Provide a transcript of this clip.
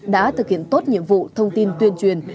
đã thực hiện tốt nhiệm vụ thông tin tuyên truyền